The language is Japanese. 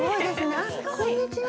あ、こんにちは。